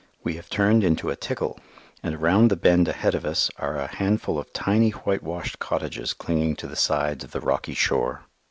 We have turned into a "tickle," and around the bend ahead of us are a handful of tiny whitewashed cottages clinging to the sides of the rocky shore.